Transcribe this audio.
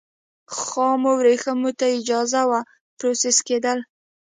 خامو ورېښمو ته اجازه وه پروسس کېدل.